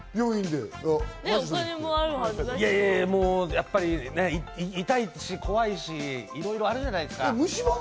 でも痛いし、怖いし、いろいろあるじゃないですか。